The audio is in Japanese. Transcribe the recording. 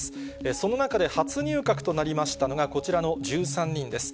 その中で初入閣となりましたのが、こちらの１３人です。